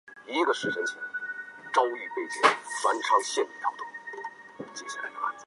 另外也有倡建者是打铁庄王长泰的说法。